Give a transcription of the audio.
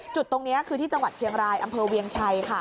จุดตรงนี้คือที่จังหวัดเชียงรายอำเภอเวียงชัยค่ะ